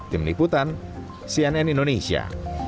tim liputan cnn indonesia